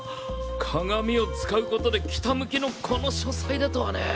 鏡を使うことで北向きのこの書斎でとはね。